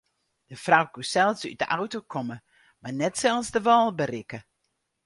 De frou koe sels út de auto komme mar net sels de wâl berikke.